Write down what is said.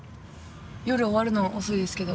夜終わるの遅いですけど。